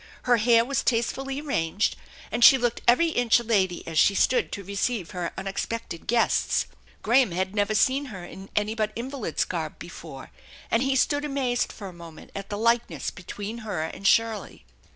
Her hair was tastefully arranged, and she looked every inch a lady as she stood to receive her unexpected guests. Graham had never seen her in any but invalid's garb before, and he stood amazed for a moment at the likeness between her and Shirley.